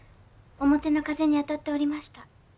表の風に当たっておりました。